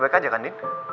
baik baik aja kan din